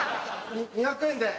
２００円で。